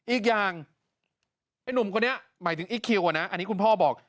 อีกอย่างไอ้หนุ่มคนนี้หมายถึงอีคคิวอะนะอันนี้คุณพ่อบอก